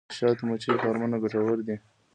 د شاتو مچیو فارمونه ګټور دي